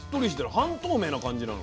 半透明な感じなの。